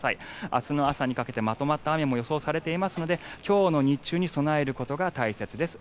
明日の朝にかけてまとまった雨も予想されていますので今日の日中に備えることが大切です。